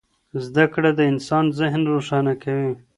زده کړه د انسان ذهن روښانه کوي.